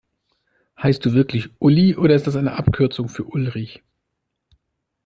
Heißt du wirklich Uli, oder ist das die Abkürzung für Ulrich?